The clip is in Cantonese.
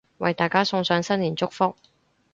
為大家送上新年祝福